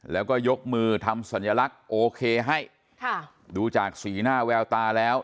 แล้วก็ยกมือทำสัญลักษณ์โอเคให้ค่ะดูจากสีหน้าแววตาแล้ว